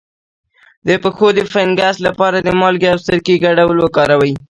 د پښو د فنګس لپاره د مالګې او سرکې ګډول وکاروئ